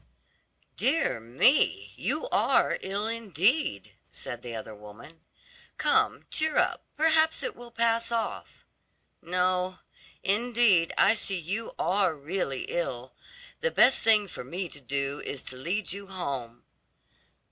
"Dear me, you are ill indeed," said the other woman. "Come, cheer up; perhaps it will pass off. No, indeed, I see you are really ill; the best thing for me to do is to lead you home."